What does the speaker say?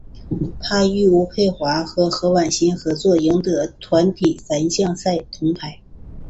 他与吴蓓华和何苑欣合作赢得团体三项赛铜牌。